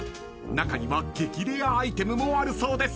［中には激レアアイテムもあるそうです］